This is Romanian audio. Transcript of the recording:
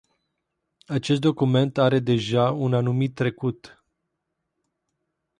Acest document are deja un anumit trecut.